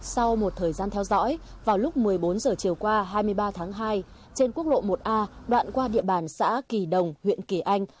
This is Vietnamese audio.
sau một thời gian theo dõi vào lúc một mươi bốn h chiều qua hai mươi ba tháng hai trên quốc lộ một a đoạn qua địa bàn xã kỳ đồng huyện kỳ anh